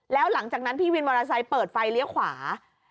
แล้วหลังจากนั้นพี่วินมอเตอร์ไซค์เปิดไฟเลี้ยวขวา